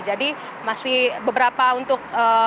jadi masih beberapa untuk